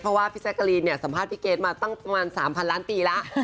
เพราะว่าพี่แซ็คที่สัมภาษณ์ฉันมาตั้ง๓๐๐๐ล้านปีและ